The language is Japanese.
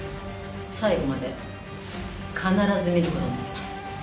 最後まで必ず見ることになります。